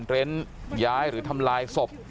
เร้นย้ายหรือทำลายศพ